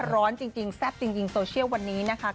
ร้อนจริงแซ่บจริงโซเชียลวันนี้นะคะ